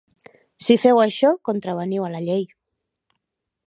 Si feu això contraveniu a la llei.